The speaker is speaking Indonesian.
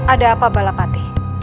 ada apa balapati